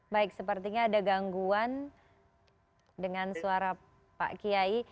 baik sepertinya ada gangguan dengan suara pak kiai